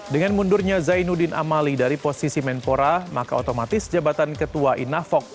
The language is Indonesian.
dengan mundurnya zainuddin amali dari posisi menpora maka otomatis jabatan ketua inafok